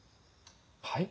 はい？